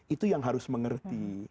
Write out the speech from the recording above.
itu yang harus mengerti